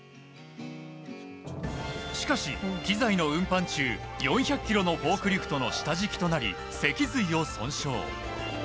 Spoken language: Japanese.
しかし、機材の運搬中４００ｋｇのフォークリフトの下敷きになり脊髄を損傷。